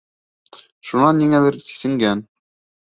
Шунан ниңәлер... сисенгән.